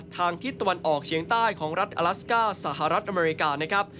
ทางทิศตะวันออกเฉียงใต้ของรัฐอลัสก้าสหรัฐอเมริกานะครับ